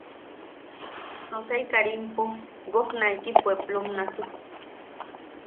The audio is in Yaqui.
Tosai Karimpo wojnaiki puepplom nasuk.